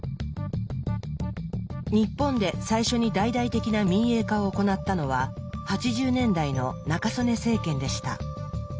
日本で最初に大々的な「民営化」を行ったのは８０年代の中曽根政権でした。